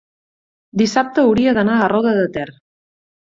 dissabte hauria d'anar a Roda de Ter.